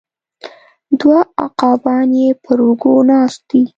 دوه عقابان یې پر اوږو ناست دي